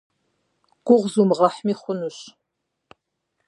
Гугъу зумыгъэхьми хъунущ.